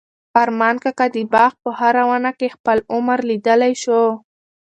ارمان کاکا د باغ په هره ونه کې خپل عمر لیدلی شو.